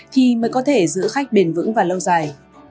thì mới có thể giữ khách bền vững và lâu dài